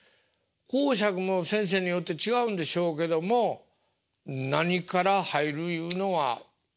講釈も先生によって違うんでしょうけども何から入るいうのは大体みんな同じなんですか？